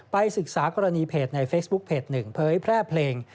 ไปศึกษากรณีเพจในเฟซบุ๊คเพจ๑เพย์แพร่เพลง